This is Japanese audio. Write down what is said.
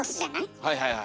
はいはいはいはい。